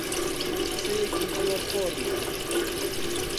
قسەیەکی زۆر قۆڕی کرد